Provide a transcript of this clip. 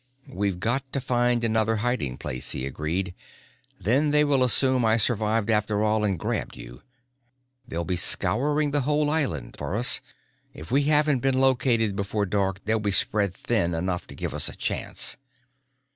"We've got to find another hiding place," he agreed. "Then they will assume I survived after all and grabbed you. They'll be scouring the whole island for us. If we haven't been located before dark they'll be spread thin enough to give us a chance."